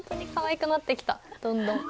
どんどん。